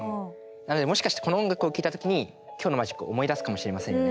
なのでもしかしてこの音楽を聴いた時に今日のマジックを思い出すかもしれませんね。